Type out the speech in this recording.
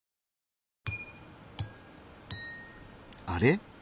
あれ？